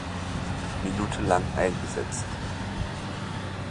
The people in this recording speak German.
Minute lang eingesetzt.